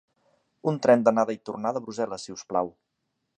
Un tren d'anada i tornada a Brussel·les, si us plau.